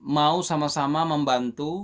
mau sama sama membantu